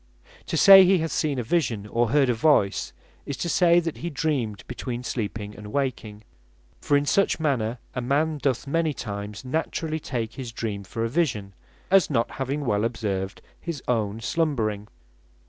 To say he hath seen a Vision, or heard a Voice, is to say, that he hath dreamed between sleeping and waking: for in such manner a man doth many times naturally take his dream for a vision, as not having well observed his own slumbering.